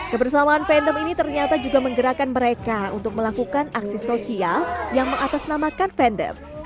kebersamaan fandom ini ternyata juga menggerakkan mereka untuk melakukan aksi sosial yang mengatasnamakan fandom